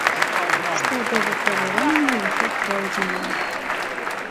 Стадыя выпрабаванняў ўжо пройдзеная.